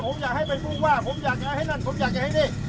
ผมอยากให้เป็นผู้ว่าผมอยากจะให้นั่นผมอยากจะให้นี่